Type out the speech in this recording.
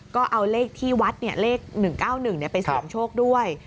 ก็เอาเลขที่วัดเลข๑๙๑ไปเสี่ยงโชคด้วย